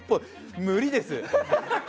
無理です！